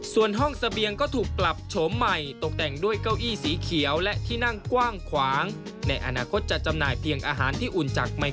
ส่วนห้องเสบียงก็ถูกปรับโฉมใหม่